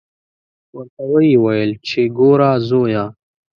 ورته ویې ویل چې ګوره زویه.